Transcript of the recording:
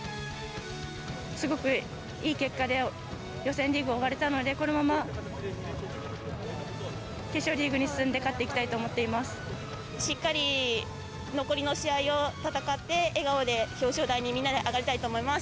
すごくいい結果で予選リーグを終われたので、このまま決勝リーグに進んで、しっかり残りの試合を戦って、笑顔で表彰台にみんなで上がりたいと思います。